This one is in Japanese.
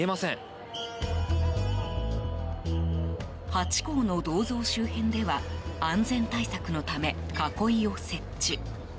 ハチ公の銅像周辺では安全対策のため囲いを設置。